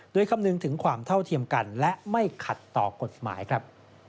โดยคำนึงถึงความเท่าเทียมกันและไม่ขัดต่อกฎหมายครับ